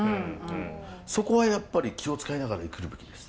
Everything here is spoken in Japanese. そこはやっぱり気を遣いながら生きるべきです。